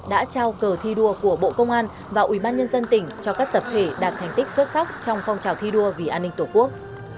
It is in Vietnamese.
đã trao cờ thi đua của bộ công an và ủy ban nhân dân tỉnh cho các tập thể đạt thành tích xuất sắc trong phong trào thi đua vì an ninh tổ quốc